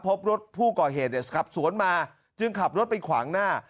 พบรถผู้ก่อเหตุขับสวนมาจึงขับรถไปขวางหน้า